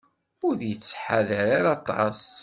Ur yettḥadar ara aṭas.